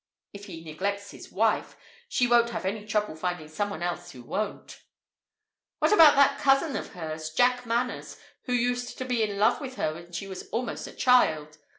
If he neglects his wife, she won't have any trouble finding someone else who won't." "What about that cousin of hers, Jack Manners, who used to be in love with her when she was almost a child?